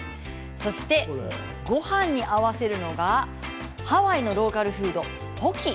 そして、ごはんに合わせるのがハワイのローカルフード、ポキ。